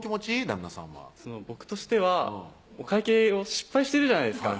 旦那さんは僕としてはお会計を失敗してるじゃないですか